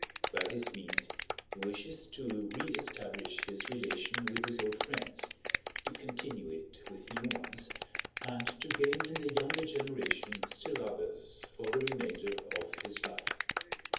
By this means he wishes to re establish his relation with his old friends, to continue it with new ones, and to gain in the younger generation still others for the remainder of his life.